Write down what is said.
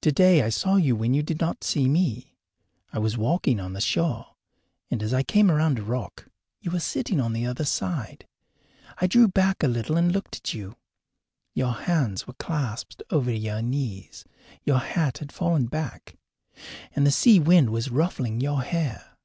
Today I saw you when you did not see me. I was walking on the shore, and as I came around a rock you were sitting on the other side. I drew back a little and looked at you. Your hands were clasped over your knees; your hat had fallen back, and the sea wind was ruffling your hair.